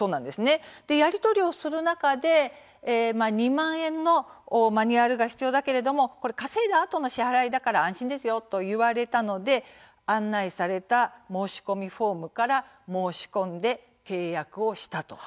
やり取りする中で「２万円のマニュアルが必要だけれども稼いだあとの支払いだから安心ですよ」と言われたので案内された申し込みフォームから申し込んで契約をしたと。